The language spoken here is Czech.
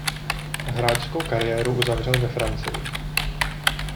Hráčskou kariéru uzavřel ve Francii.